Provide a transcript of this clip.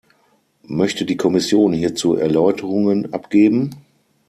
Möchte die Kommission hierzu Erläuterungen abgeben?